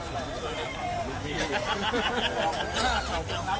สวัสดีทุกคน